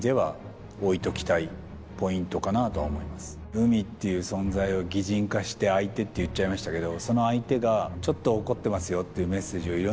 海っていう存在を擬人化して「相手」って言っちゃいましたけど。